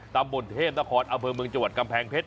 ตามบทเทพทะคอร์ดอเบอร์เมืองจังหวัดกำแพงเพชร